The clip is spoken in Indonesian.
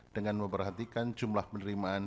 dengan memperhatikan jumlah penerimaan